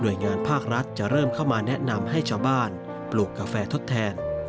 โดยงานภาครัฐจะเริ่มเข้ามาแนะนำให้ชาวบ้านปลูกกาแฟทดแทน